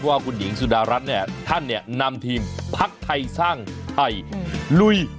ว่าคุณหญิงสุดารัฐเนี่ยท่านเนี่ยนำทีมพักไทยสร้างไทยลุย